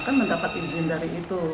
kan mendapat izin dari itu